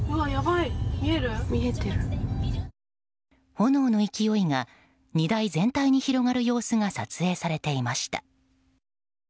炎の勢いが荷台全体に広がる様子が撮影されていました。